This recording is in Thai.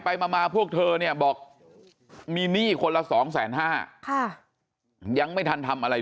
ไปมาพวกเธอเนี่ยบอกมีหนี้คนละ๒๕๐๐๐๐ยังไม่ทันทำอะไร